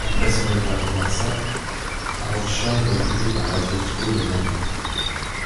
Après son étape au Barça, Arocha est recruté par l'Atlético de Madrid.